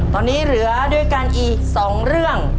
ตอนนี้เหลือด้วยกันอีก๒เรื่อง